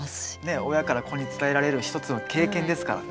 親から子に伝えられる一つの経験ですからね。